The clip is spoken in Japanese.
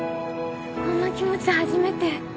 こんな気持ち初めて。